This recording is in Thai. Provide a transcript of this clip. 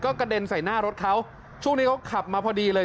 กระเด็นใส่หน้ารถเขาช่วงนี้เขาขับมาพอดีเลย